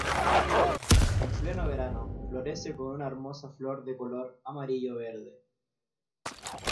En pleno verano florece con una hermosa flor de color amarillo-verde.